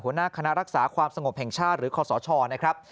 หัวหน้าคณะรักษาความสงบแห่งชาติหรือคศนะครับ